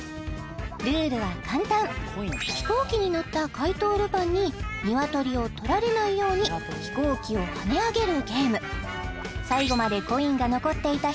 ルールは簡単飛行機に乗った怪盗ルパンに鶏を取られないように飛行機をはね上げる